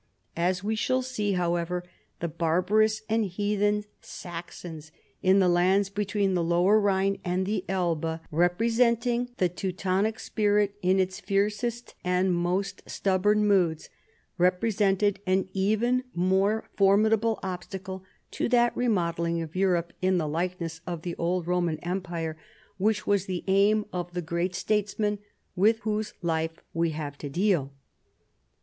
As we shall see, however, the barbarous and heathen Saxons in the lands between the Lower Rhine and tlie Elbe, representing the Teutonic spirit in its fiercest and most stubborn moods, represented an even more formidable obstacle to that remodel ling of Europe in the likeness of the old Roman Empire which was the aim of the great statesman with whose life we have to deal.